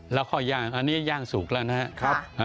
แล้วค่อยย่างอันนี้ย่างสุกแล้วนะครับ